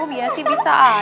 biasa bisa aja deh